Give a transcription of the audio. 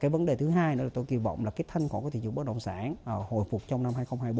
vấn đề thứ hai tôi kỳ vọng là thanh khoản tính dụng bất động sản hồi phục trong năm hai nghìn hai mươi bốn